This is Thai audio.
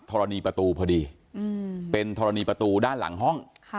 รณีประตูพอดีเป็นธรณีประตูด้านหลังห้อง